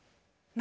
何？